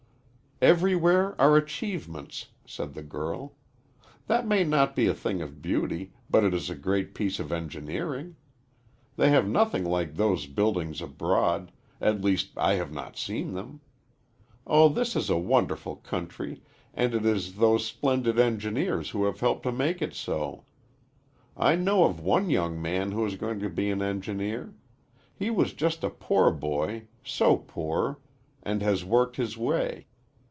"Everywhere are achievements," said the girl. "That may not be a thing of beauty, but it is a great piece of engineering. They have nothing like those buildings abroad at least I have not seen them. Oh, this is a wonderful country, and it is those splendid engineers who have helped to make it so. I know of one young man who is going to be an engineer. He was just a poor boy so poor and has worked his way.